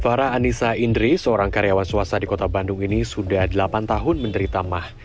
fahra anissa indri seorang karyawan swasta di kota bandung ini sudah delapan tahun menderita mah